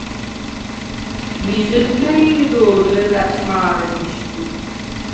მიზეზ მა̈ჲ ირო̄ლ, ლელა̈ტ მა̄რე მიშგვი!